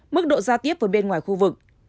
mức độ gia tiếp với bên ngoài khu vực